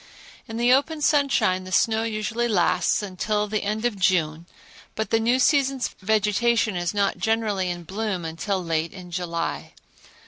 In the open sunshine the snow usually lasts until the end of June but the new season's vegetation is not generally in bloom until late in July.